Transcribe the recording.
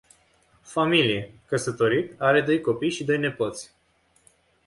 Familie: căsătorit, are doi copii și doi nepoți.